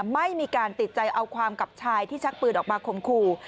ไม่มีการติดใจเอาความกับชายที่ชักปืนออกมาข่มขู่